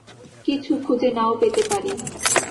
কিছু খুঁজে নাও পেতে পারি।